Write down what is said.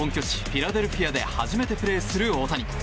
フィラデルフィアで初めてプレーする大谷。